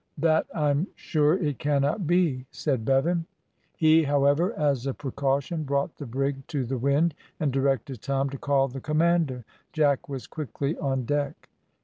"That I'm sure it cannot be!" said Bevan. He, however, as a precaution, brought the brig to the wind, and directed Tom to call the commander. Jack was quickly on deck.